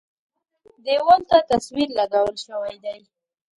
دېوال ته تصویر لګول شوی دی.